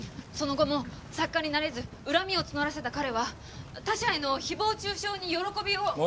その後も作家になれず恨みを募らせた彼は他者への誹謗中傷に喜びを。